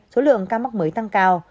số lượng ca mắc mới tăng cao